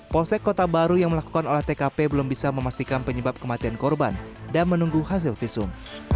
polsek kota baru yang melakukan olah tkp belum bisa memastikan penyebab kematian korban dan menunggu hasil visum